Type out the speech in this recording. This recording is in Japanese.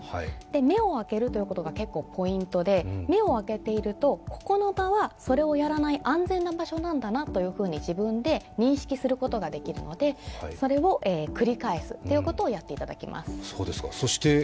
目を開けるということが結構ポイントで目を開けていると、ここの場はそれをやらない安全な場所なんだなと自分で認識することができるので、それを繰り返すということをやっていただきます。